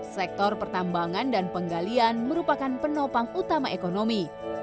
sektor pertambangan dan penggalian merupakan penopang utama ekonomi